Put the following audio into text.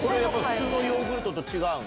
普通のヨーグルトと違うの？